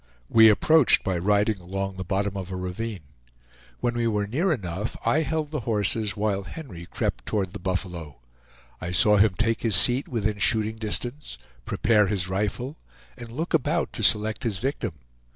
We approached by riding along the bottom of a ravine. When we were near enough, I held the horses while Henry crept toward the buffalo. I saw him take his seat within shooting distance, prepare his rifle, and look about to select his victim.